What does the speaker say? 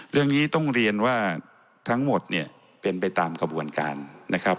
เรื่องนี้ต้องเรียนว่าทั้งหมดเนี่ยเป็นไปตามกระบวนการนะครับ